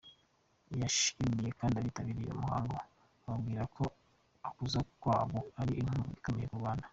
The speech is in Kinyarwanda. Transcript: Yashimiye kandi abitabiriye uwo muhango, ababwira ko ukuza kwabo ari inkunga ikomeye ku Rwanda.